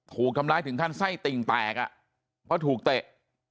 ถูกทำร้ายถึงขั้นไส้ติ่งแตกอ่ะเพราะถูกเตะ